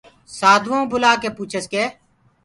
سآڌوآئوٚنٚ بُلآڪي پوٚڇس۔ ڪي